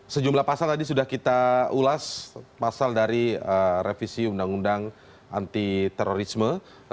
sejumlah pasal tadi sudah kita ulas pasal dari revisi undang undang anti terorisme